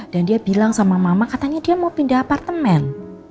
dan dia bilang sama mama katanya dia mau pindah apartemen